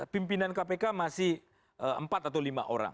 pimpinan kpk masih empat atau lima orang